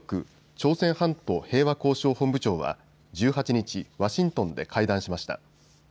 朝鮮半島平和交渉本部長は１８日、ワシントンで会談しました。